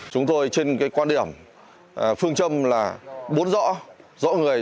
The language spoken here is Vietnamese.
chúng tôi trên cái quan điểm phương châm là bốn rõ rõ người rõ người